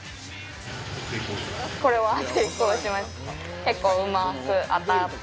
これは成功しました。